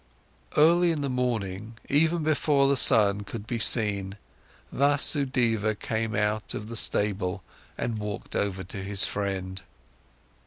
Early in the morning, even before the sun could be seen, Vasudeva came out of the stable and walked over to his friend.